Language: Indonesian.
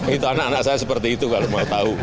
itu anak anak saya seperti itu kalau mau tahu